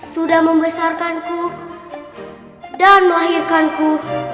sudah membesarkanku dan melahirkanku